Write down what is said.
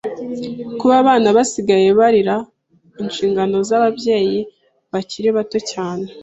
kuba abana basigaye bagira inshingano z’ababyeyi bakiri bato cyane